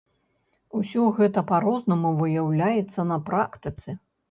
Усё гэта па-рознаму выяўляецца на практыцы.